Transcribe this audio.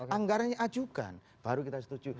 anggarannya ajukan baru kita setuju